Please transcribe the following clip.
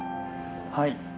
はい。